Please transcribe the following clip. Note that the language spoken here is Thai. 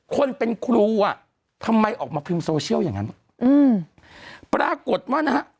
คนเป็นครูอ่ะทำไมออกมาเพิ่มอย่างนั้นอืมปรากฏว่านะฮะ